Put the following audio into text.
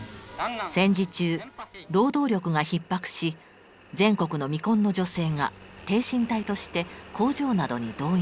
戦時中労働力がひっ迫し全国の未婚の女性が挺身隊として工場などに動員されました。